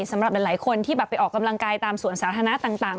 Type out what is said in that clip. สำหรับหลายคนที่ไปออกกำลังกายตามสวนสาธารณะต่าง